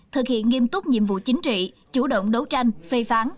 thực hiện nghiêm túc nhiệm vụ chính trị chủ động đấu tranh phê phán